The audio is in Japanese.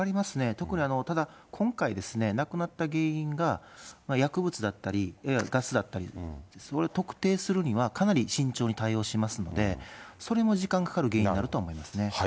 特に今回、亡くなった原因が薬物だったり、いわゆるガスだったり、それ特定するには、かなり慎重に対応しますので、それも時間かかる原因になるとは思いますね。